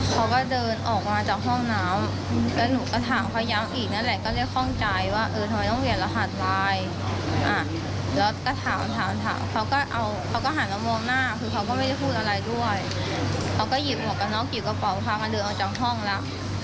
เขาก็หันแล้วมองหน้าคือเขาก็ไม่ได้พูดอะไรด้วยเขาก็หยิบกระเป๋าพามาเดินออกจากห้องแล้ว